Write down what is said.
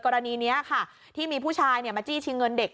กรณีนี้ค่ะที่มีผู้ชายมาจี้ชิงเงินเด็ก